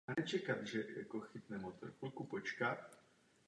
Odrůda je rezistentní proti strupovitosti jabloní a středně odolná k padlí.